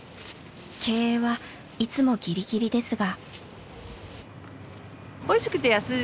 経営はいつもギリギリですが。